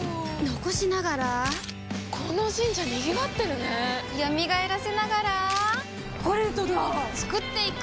残しながらこの神社賑わってるね蘇らせながらコレドだ創っていく！